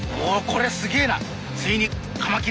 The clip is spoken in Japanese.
これすげえな。